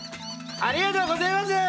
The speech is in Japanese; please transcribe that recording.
ありがとうごぜます！